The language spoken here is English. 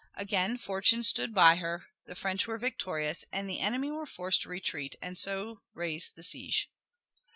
Again fortune stood by her, the French were victorious, and the enemy were forced to retreat and so raise the siege.